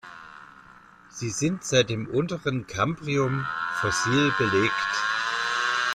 Sie sind seit dem unteren Kambrium fossil belegt.